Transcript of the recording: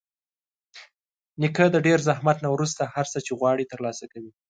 نیکه د ډېر زحمت نه وروسته هر څه چې غواړي ترلاسه کوي.